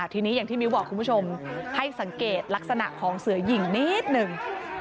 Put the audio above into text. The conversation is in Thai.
ทีนี้อย่างที่มิ้วบอกคุณผู้ชมให้สังเกตลักษณะของเสือหญิงนิดหนึ่ง